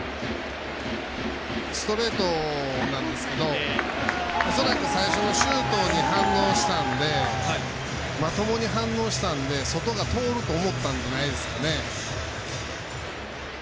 ストレートなんですけど恐らく、最初のシュートにまともに反応したんで外が通ると思ったんじゃないですかね。